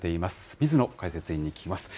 水野解説委員に聞きます。